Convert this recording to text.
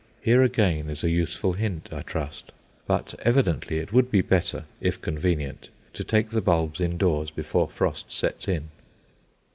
Here again is a useful hint, I trust. But evidently it would be better, if convenient, to take the bulbs indoors before frost sets in.